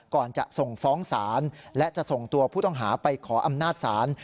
ก่อนจะส่งฟ้องศาลและจะส่งตัวผู้ต้องหาไปขออำนาจศาล